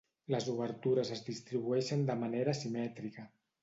Les obertures es distribueixen de manera simètrica.